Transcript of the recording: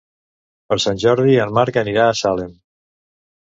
Per Sant Jordi en Marc anirà a Salem.